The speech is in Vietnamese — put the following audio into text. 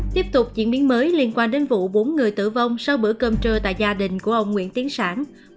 tiếp tục diễn biến mới liên quan đến vụ bốn người tử vong sau bữa cơm trưa tại gia đình của ông nguyễn tiến sản